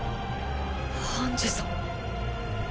ハンジさん。